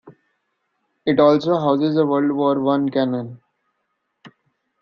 It also houses a World War One cannon.